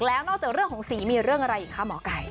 แล้วนอกจากเรื่องของสีมีเรื่องอะไรอีกคะหมอไก่